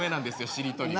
しりとりは。